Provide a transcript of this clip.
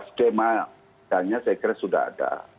skema tanya saya kira sudah ada